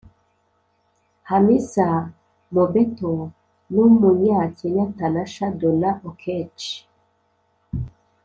hamisa mobetto n’umunya-kenya tanasha donna oketch